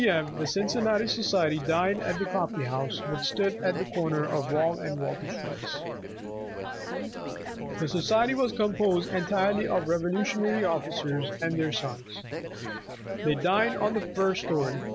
M. the Cincinnati Society dined at the Coffee House, which stood on the corner of Wall and Water Streets. The Society was composed entirely of Revolutionary Officers, and their sons. They dined on the first storv.